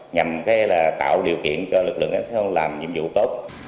nhằm tạo điều kiện cho lực lượng cảnh sát giao thông làm nhiệm vụ tốt